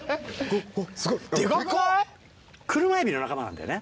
クルマエビの仲間なんだよね。